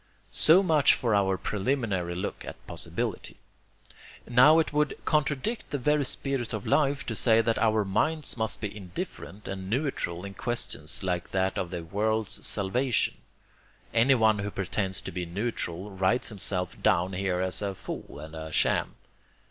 So much for our preliminary look at possibility. Now it would contradict the very spirit of life to say that our minds must be indifferent and neutral in questions like that of the world's salvation. Anyone who pretends to be neutral writes himself down here as a fool and a sham.